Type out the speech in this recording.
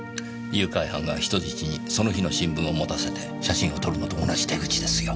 誘拐犯が人質にその日の新聞を持たせて写真を撮るのと同じ手口ですよ。